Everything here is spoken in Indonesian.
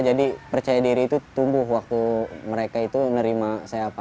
jadi percaya diri itu tumbuh waktu mereka itu nerima saya apa adanya